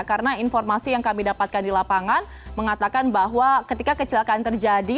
karena informasi yang kami dapatkan di lapangan mengatakan bahwa ketika kecelakaan terjadi